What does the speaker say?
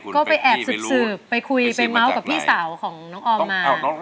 ก็ไปแอบสืบไปคุยไปเม้ากับพี่สาวของน้องออมมาไปซื้อมาจากไหน